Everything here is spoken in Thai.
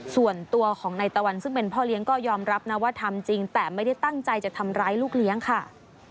ส่วนตัวของนายตะวันซึ่งเป็นพ่อเลี้ยงก็ยอมรับนะว่าทำจริงแต่ไม่ได้ตั้งใจจะทำร้ายลูกเลี้ยงค่ะ